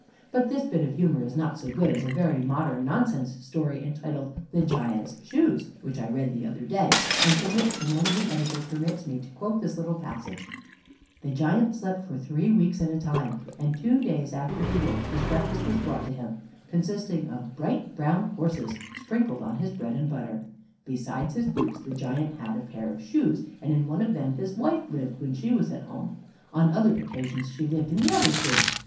But this bit of humor is not so good as a very modern nonsense story entitled "The Giant's Shoes," which I read the other day, and from which the Managing Editor permits me to quote this little passage: "The Giant slept for three weeks at a time, and two days after he woke his breakfast was brought to him, consisting of bright brown horses sprinkled on his bread and butter. Besides his boots, the Giant had a pair of shoes, and in one of them his wife lived when she was at home; on other occasions she lived in the other shoe.